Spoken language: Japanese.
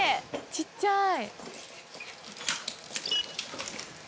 ちっちゃい。